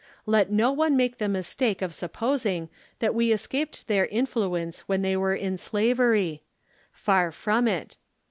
Let no one make the mistake of supposing that we escaped their influence when the}^ were in slavery. Far from it.